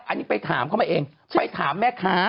อันนี้ไปถามเข้ามาเองไปถามแม่ค้า